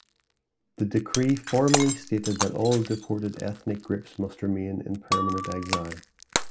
The decree formally stated that all deported ethnic groups must remain in permanent exile.